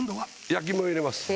焼き目を入れます